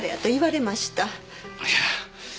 いや。